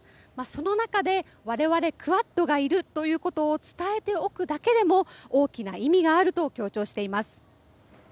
その中で我々クアッドがいるということを伝えておくことだけでも大きな意味があると強調しています。